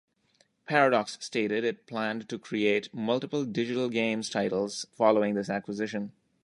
Paradox stated it planned to create "multiple digital games titles" following this acquisition.